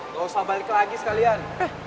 gak usah balik lagi sekalian